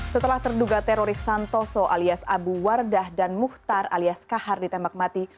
setelah terduga teroris santoso alias abu wardah dan muhtar alias kahar ditembak mati